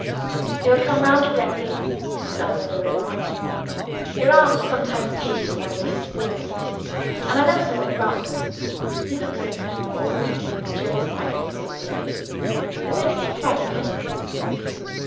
"He'll come round, directly," Mrs. Ellmother remarked. "Your aunt was sometimes taken with these swoons, miss; and I know something about them. He looks a poor weak creature, in spite of his big beard. Has anything frightened him?"